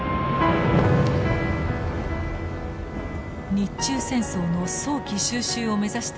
日中戦争の早期収拾を目指していた日本。